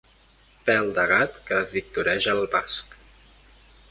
Pèl de gat que victoreja el basc.